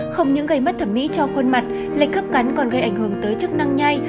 không những gây mất thẩm mỹ cho khuôn mặt lệnh cấp cắn còn gây ảnh hưởng tới chức năng nhai